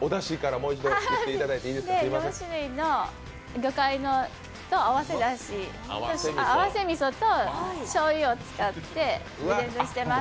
だしは、４種類の魚介と合わせみそとしょうゆを使ってブレンドしてます。